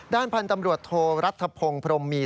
ด้านพันธ์ตำรวจโทรัทธพงศ์พรมมี